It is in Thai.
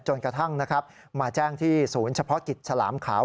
จนกระทั่งนะครับมาแจ้งที่ศูนย์เฉพาะกิจฉลามขาว